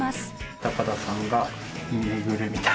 高田さんが巡るみたいな。